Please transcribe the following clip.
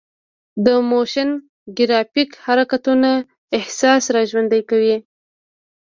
د موشن ګرافیک حرکتونه احساس راژوندي کوي.